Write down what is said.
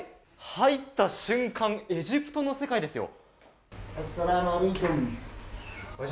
入った瞬間、エジプトの世界ですよ